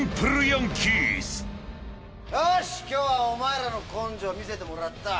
よし今日はお前らの根性見せてもらった。